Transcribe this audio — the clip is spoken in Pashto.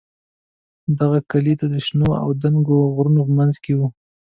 دغه کلی د شنو او دنګو غرونو په منځ کې و.